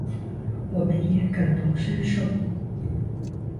我们也感同身受